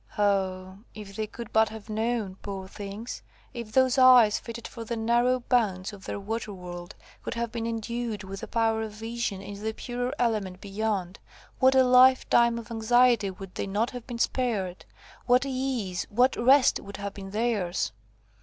Ah! if they could but have known, poor things! If those eyes, fitted for the narrow bounds of their water world, could have been endued with a power of vision into the purer element beyond, what a life time of anxiety would they not have been spared! What ease, what rest would have been theirs!